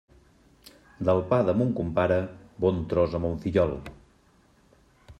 Del pa de mon compare, bon tros a mon fillol.